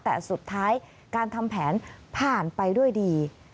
แต่สุดท้ายการทำแผนผ่านไปด้วยดี